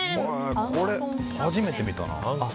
これ、初めて見たな。